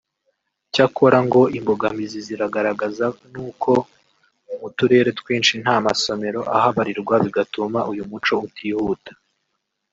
cyakora ngo imbogamizi zigaragaza nuko mu turere twinshi nta masomero ahabarirwa bigatuma uyu muco utihuta